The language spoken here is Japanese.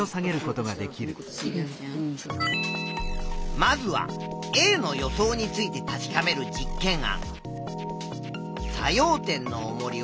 まずはＡの予想について確かめる実験案。